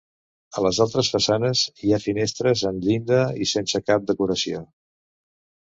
A les altres façanes hi ha finestres amb llinda i sense cap decoració.